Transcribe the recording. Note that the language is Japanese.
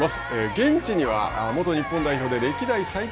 現地には、元日本代表で歴代最多